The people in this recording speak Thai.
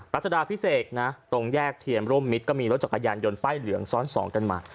รัชดาพิเศษนะตรงแยกเทียมร่มมิตรก็มีรถจักรยานยนต์ป้ายเหลืองซ้อนสองกันมา